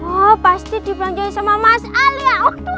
oh pasti dibelanjain sama mas ali ya